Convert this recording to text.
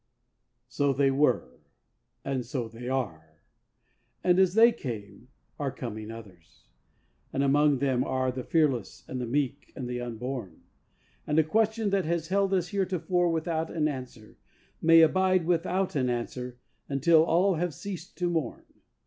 So they were, and so they are; and as they came are coming others, And among them are the fearless and the meek and the unborn; And a question that has held us heretofore without an answer May abide without an answer until all have ceased to mourn.